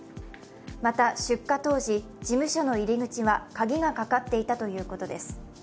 また出火当時、事務所の入り口は鍵がかかっていたということです。